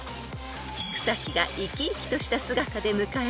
［草木が生き生きとした姿で迎える春］